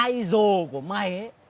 idol của mày ấy